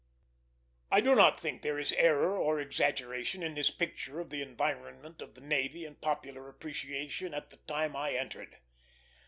I do not think there is error or exaggeration in this picture of the "environment" of the navy in popular appreciation at the time I entered.